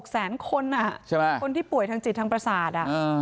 แสนคนคนที่ป่วยทางจิตทางประสาท